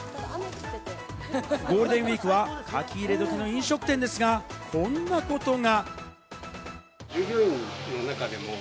ゴールデンウイークは書き入れ時になる飲食店ですが、こんなことが。